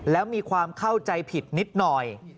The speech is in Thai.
แล้วมีความเข้าใจผิดนิดหน่อย